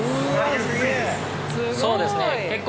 そうですね結構。